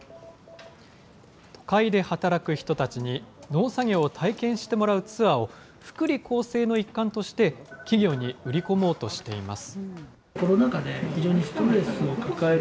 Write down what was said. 都会で働く人たちに、農作業を体験してもらうツアーを福利厚生の一環として企業に売り込もうとしています。